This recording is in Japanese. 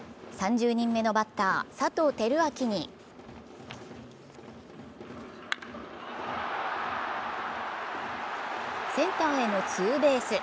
３０人目のバッター・佐藤輝明にセンターへのツーベース。